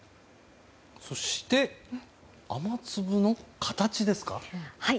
そして、雨粒の形ですか。